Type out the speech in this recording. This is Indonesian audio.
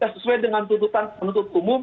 sesuai dengan tuntutan penuntut umum